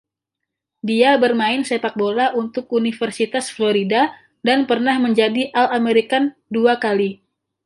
Dia bermain sepak bola untuk Universitas Florida, dan pernah menjadi All-American dua kali.